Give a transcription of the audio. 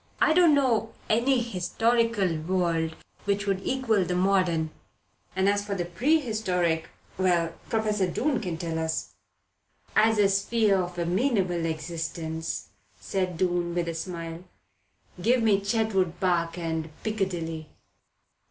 "I don't know any historical world which would equal the modern, and as for the prehistoric well, Professor Doon can tell us " "As a sphere of amenable existence," said Doon with a smile, "give me Chetwood Park and Piccadilly."